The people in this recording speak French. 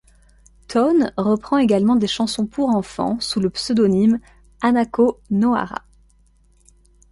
Tone reprend également des chansons pour enfants sous le pseudonyme Hanako Nohara.